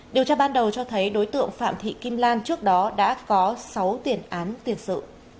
điều tra ban đầu cho thấy đối tượng phạm thị kim lan trước đó đã có sáu tiền án tiền sự